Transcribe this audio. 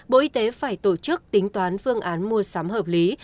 bộ y tế phải tổ chức tính toán phương án mua sắm hợp lý